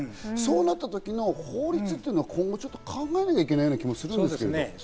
そうなった時の法律というのは、今後考えなきゃいけない気もするんですけど。